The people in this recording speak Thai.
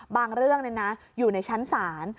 บางเรื่องนะอยู่ในชั้นศาล